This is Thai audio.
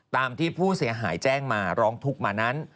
ตามที่ผู้เสียหายแจ้งมาร้องทุกข์มานั้น